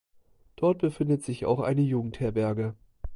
Dort befindet sich auch eine Jugendherberge.